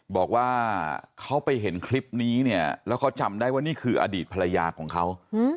บอกว่าเขาไปเห็นคลิปนี้เนี่ยแล้วเขาจำได้ว่านี่คืออดีตภรรยาของเขา